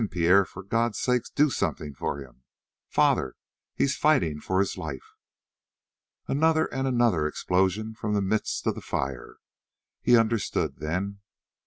Pierre, for God's sake, do something for him. Father! He's fighting for his life!" Another and another explosion from the midst of the fire. He understood then.